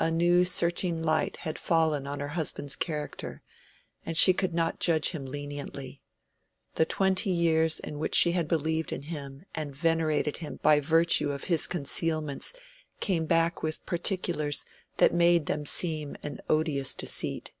A new searching light had fallen on her husband's character, and she could not judge him leniently: the twenty years in which she had believed in him and venerated him by virtue of his concealments came back with particulars that made them seem an odious deceit.